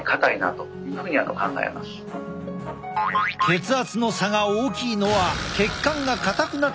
血圧の差が大きいのは血管が硬くなっているサイン。